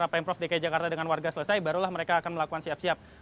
pemprov dki jakarta dengan warga selesai barulah mereka akan melakukan siap siap